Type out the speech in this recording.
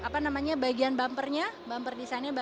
lalu bagian bumpernya bumper desainnya berbeda